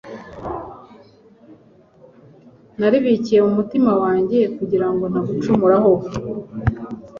naribikiye mu mutima wanjye, kugira ngo ntagucumuraho.”